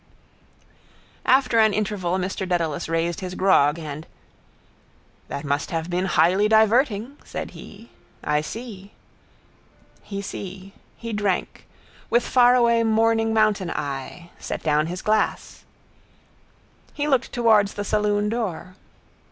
After an interval Mr Dedalus raised his grog and —That must have been highly diverting, said he. I see. He see. He drank. With faraway mourning mountain eye. Set down his glass. He looked towards the saloon door.